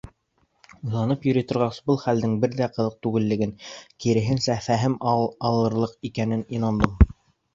Уйланып йөрөй торғас, был хәлдең бер ҙә ҡыҙыҡ түгеллеген, киреһенсә, фәһем алырлыҡ икәненә инандым.